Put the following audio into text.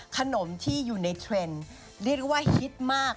ขนมที่อยู่ในเทรนด์เรียกได้ว่าฮิตมาก